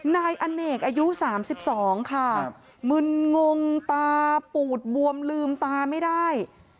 นายอเนกอายุ๓๒ค่ะมึนงงตาปูดบวมลืมตาไม่ได้